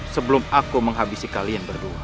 sebelum aku menghabisi kalian berdua